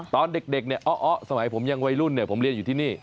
ตอนเด็กเนี่ยอ้อสมัยผมยังวัยรุ่นเนี่ยผมเรียนอยู่ที่นี่